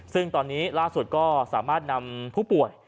ซึ่งตอนนี้ล่าสุดก็สามารถนำผู้ป่วย